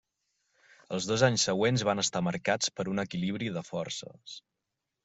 Els dos anys següents van estar marcats per un equilibri de forces.